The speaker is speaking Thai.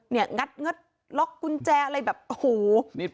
เนี่ยนัดนัดล็อคกุญแจอะไรแบบอ่าหู